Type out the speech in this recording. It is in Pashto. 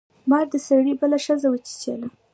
مار د سړي بله ښځه وچیچله.